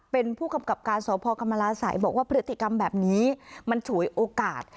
เป็นผู้กำกับการสพกรรมราศัยบอกว่าพฤติกรรมแบบนี้มันฉวยโอกาส